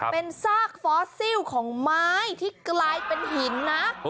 เป็นซากฟอสซิลของไม้ที่กลายเป็นหินนะ